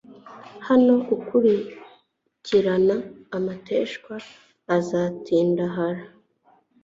naho ukurikirana amateshwa azatindahara